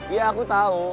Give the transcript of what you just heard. iya aku tahu